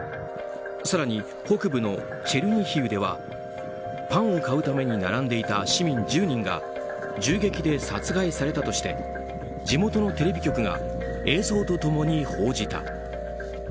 更に北部のチェルニヒウではパンを買うために並んでいた市民１０人が銃撃で殺害されたとして地元のテレビ局が映像と共に報じた。